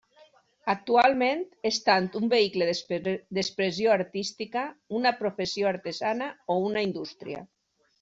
Actualment és tant un vehicle d'expressió artística, una professió artesana o una indústria.